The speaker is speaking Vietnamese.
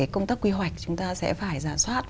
công tác quy hoạch chúng ta sẽ phải giả soát